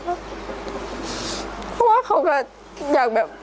เพราะว่าเขาก็อยากแบบ